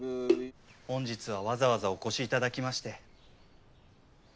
本日はわざわざお越しいただきまして。